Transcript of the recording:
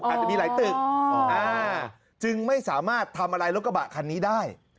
อาจจะมีหลายตึกจึงไม่สามารถทำอะไรรถกระบะคันนี้ได้